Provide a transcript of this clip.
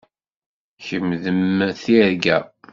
Kemm d mm tirga.